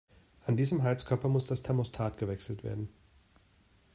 An diesem Heizkörper muss das Thermostat gewechselt werden.